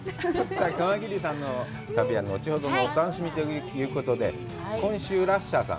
さあ、熊切さんの旅は後ほどのお楽しみということで、今週、ラッシャーさん。